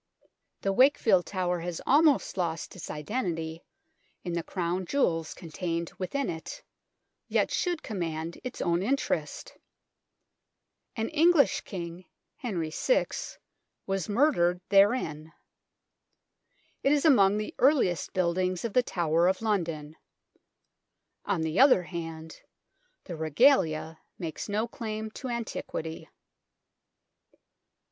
The Wakefield Tower has almost lost its identity in the Crown Jewels contained within it, yet should command its own interest. An English King, Henry VI, was murdered therein. It is among the earliest buildings of the Tower of London. On the other hand, the Regalia makes no claim to antiquity.